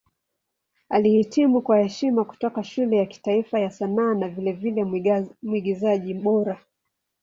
Alihitimu kwa heshima kutoka Shule ya Kitaifa ya Sanaa na vilevile Mwigizaji Bora.